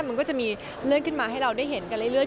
มันก็จะมีเลื่อนขึ้นมาให้เราได้เห็นกันเรื่อย